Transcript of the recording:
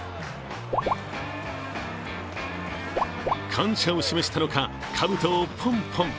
感謝を示したのか、かぶとをポンポン。